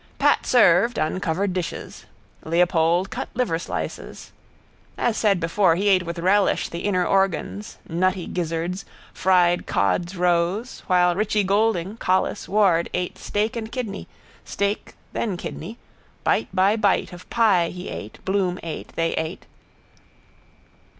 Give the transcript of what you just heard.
Pat served, uncovered dishes. Leopold cut liverslices. As said before he ate with relish the inner organs, nutty gizzards, fried cods' roes while Richie Goulding, Collis, Ward ate steak and kidney, steak then kidney, bite by bite of pie he ate Bloom ate they ate.